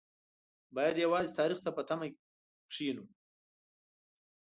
باید یوازې تاریخ ته په تمه کېنو.